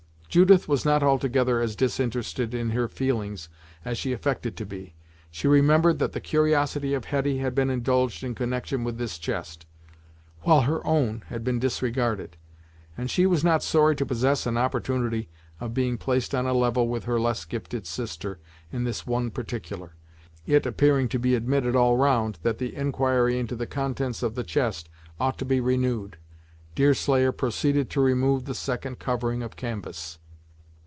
Judith was not altogether as disinterested in her feelings as she affected to be. She remembered that the curiosity of Hetty had been indulged in connection with this chest, while her own had been disregarded, and she was not sorry to possess an opportunity of being placed on a level with her less gifted sister in this one particular. It appearing to be admitted all round that the enquiry into the contents of the chest ought to be renewed, Deerslayer proceeded to remove the second covering of canvass.